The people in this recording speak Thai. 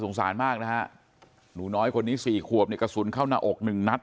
สงสารมากนะฮะหนูน้อยคนนี้๔ขวบเนี่ยกระสุนเข้าหน้าอก๑นัด